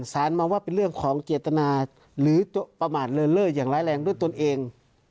อ่านสารมาว่าเป็นเรื่องของเกียรตินาหรือประมาณเริ่มเลิศอย่างร้ายแรงด้วยตนเอง